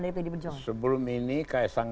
dari pd perjuangan sebelum ini kaisang